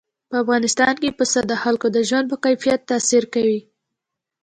په افغانستان کې پسه د خلکو د ژوند په کیفیت تاثیر کوي.